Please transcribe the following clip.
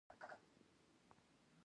بلکل نوی جوړښت دی.